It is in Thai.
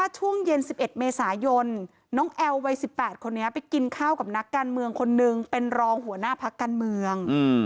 ช่วงเย็น๑๑เมษายนน้องแอลวัย๑๘คนนี้ไปกินข้าวกับนักการเมืองคนนึงเป็นรองหัวหน้าพักการเมือง